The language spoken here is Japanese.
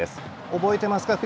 覚えてますか？